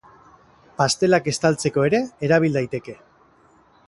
Pastelak estaltzeko ere erabil daiteke.